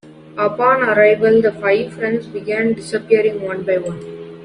Upon arrival, the five friends begin disappearing one by one.